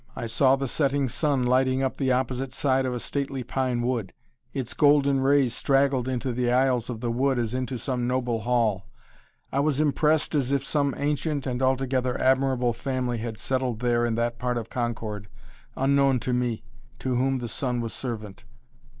I saw the setting sun lighting up the opposite side of a stately pine wood. Its golden rays straggled into the aisles of the wood as into some noble hall. I was impressed as if some ancient and altogether admirable family had settled there in that part of Concord, unknown to me to whom the sun was servant.